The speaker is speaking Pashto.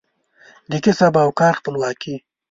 د کسب او کار خپلواکي